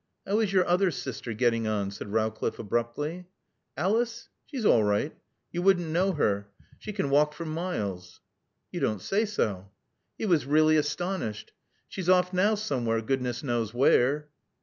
"How is your other sister getting on?" said Rowcliffe abruptly. "Alice? She's all right. You wouldn't know her. She can walk for miles." "You don't say so?" He was really astonished. "She's off now somewhere, goodness knows where."